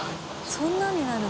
「そんな」になるの？